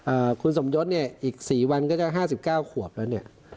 คุณสมยศเนี่ยอีกสี่วันก็จะห้าสิบเก้าขวบแล้วเนี่ย